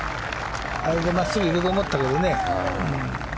あれで真っすぐいくと思ったけどね。